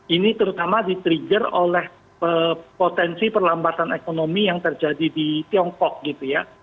ini terutama di trigger oleh potensi perlambatan ekonomi yang terjadi di tiongkok gitu ya